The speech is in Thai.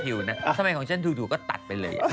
ก็ทรงสิทธิ์เนี่ยทำไมของฉันถูกก็ตัดไปเลย